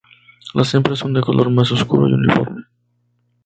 Las hembras son de color más oscuro y uniforme.